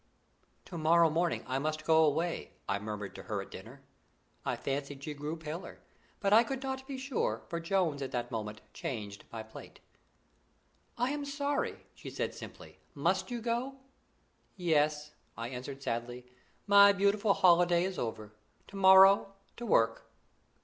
"To morrow morning I must go away," I murmured to her at dinner. I fancied she grew paler, but I could not be sure, for Jones at that moment changed my plate. "I am sorry," she said simply. "Must you go?" "Yes," I answered sadly. "My beautiful holiday is over. To morrow, to work."